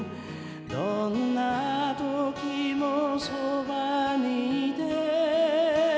「どんな時もそばに居て」